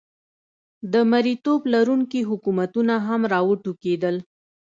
د مریتوب لرونکي حکومتونه هم را وټوکېدل.